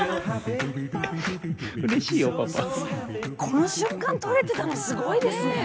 この瞬間撮れてたのすごいですね。